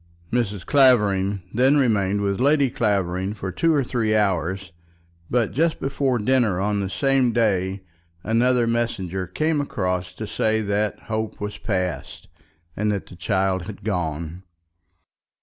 Mrs. Clavering then remained with Lady Clavering for two or three hours; but just before dinner on the same day another messenger came across to say that hope was past, and that the child had gone.